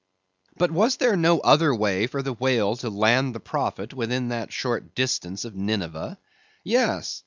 But was there no other way for the whale to land the prophet within that short distance of Nineveh? Yes.